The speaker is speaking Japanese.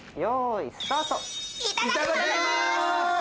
・いただきます！